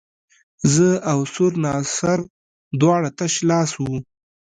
زه او سور ناصر دواړه تش لاس وو.